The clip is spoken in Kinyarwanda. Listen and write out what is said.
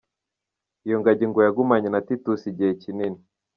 Iyo ngagi ngo yagumanye na Titus igihe kinini.